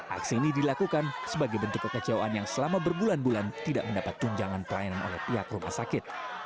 aksi ini dilakukan sebagai bentuk kekecewaan yang selama berbulan bulan tidak mendapat tunjangan pelayanan oleh pihak rumah sakit